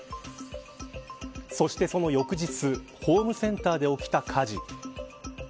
そしてその翌日ホームセンターで起きた火事。